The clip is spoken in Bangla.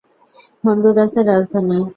হন্ডুরাসের রাজধানী।